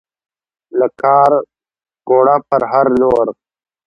له کارکوړه پر هر لور